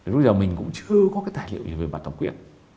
lúc đó mình cũng chưa có cái tài liệu gì về mặt thằng quyết